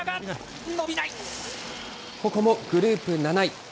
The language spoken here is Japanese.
ここもグループ７位。